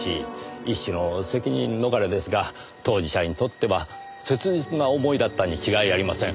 一種の責任逃れですが当事者にとっては切実な思いだったに違いありません。